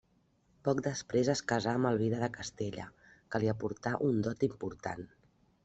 Poc després es casà amb Elvira de Castella, que li aportà un dot important.